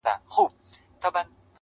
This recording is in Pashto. هو پاچا ملا وزیر ملا سهي ده,